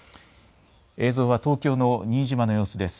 映像は東京の新島の様子です。